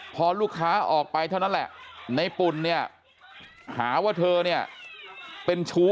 พอลูกค้าออกไปเท่านั้นแหละในปุ่นเนี่ยหาว่าเธอเนี่ยเป็นชู้